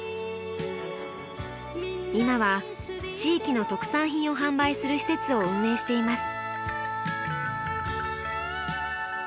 今は地域の特産品を販売する施設を運営しています。